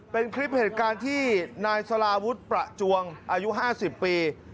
เป็นคลิปเหตุการณ์ที่นายสลาวุฒิประจวงอายุ๕๐ปี